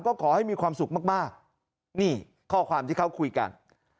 ก็ขอให้มีความสุขมากนี่ข้อความที่เขาคุยกัน